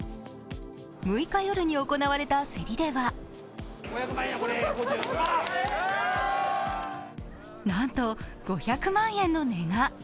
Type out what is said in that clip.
６日夜に行われた競りではなんと５００万円の値が。